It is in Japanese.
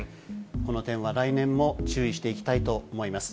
この点は、来年も注意していきたいと思います。